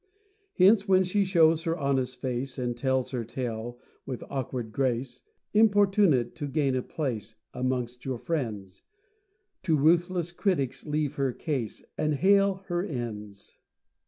Hence, when she shows her honest face, And tells her tale with awkward grace, Importunate to gain a place Amongst your friends, To ruthless critics leave her case, And hail her ends.